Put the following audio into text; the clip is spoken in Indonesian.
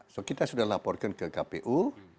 so kita sudah laporkan ke kpu